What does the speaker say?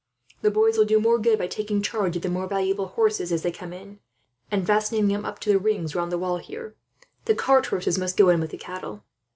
The boys will do more good by taking charge of the more valuable horses, as they come in, and fastening them up to the rings round the wall here. The cart horses must go in with the cattle."